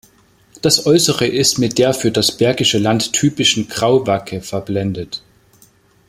Das Äußere ist mit der für das Bergische Land typischen Grauwacke verblendet.